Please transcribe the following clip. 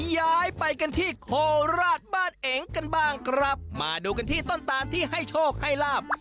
ย้ายไปกันที่โคราชบ้านเอ๋งกันบ้างครับมาดูกันที่ต้นตานที่ให้โชคให้ลาบ